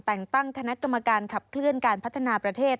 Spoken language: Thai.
แต่งตั้งคณะกรรมการขับเคลื่อนการพัฒนาประเทศ